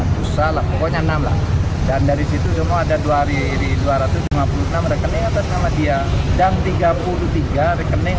pusat lah pokoknya enam lah dan dari situ semua ada dua ratus lima puluh enam rekening atas nama dia dan tiga puluh tiga rekening